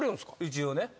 一応ね。